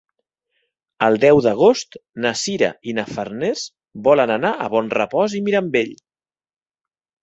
El deu d'agost na Sira i na Farners volen anar a Bonrepòs i Mirambell.